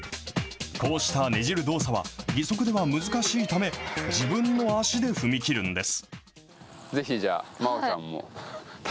こうしたねじる動作は義足では難しいため、自分の足で踏み切るんです。